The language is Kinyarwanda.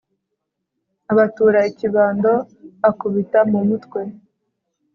abatura ikibando akubita mumutwe